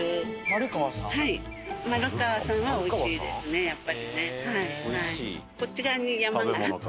マルカワさんはおいしいですねやっぱりね。